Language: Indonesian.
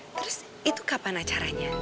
terus itu kapan acaranya